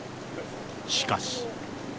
しかし。